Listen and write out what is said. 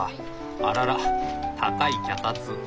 あらら高い脚立。